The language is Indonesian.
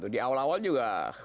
di awal awal juga